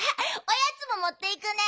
おやつももっていくね。